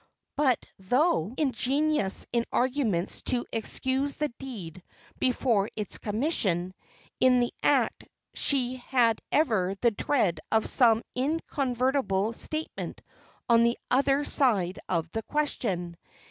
But though ingenious in arguments to excuse the deed before its commission, in the act she had ever the dread of some incontrovertible statement on the other side of the question.